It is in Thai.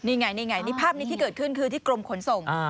นี่ไงนี่ไงนี่ภาพนี้ที่เกิดขึ้นคือที่กรมขนส่ง